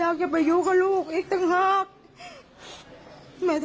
มันมีแม่ด้วยมันมีแม่ด้วย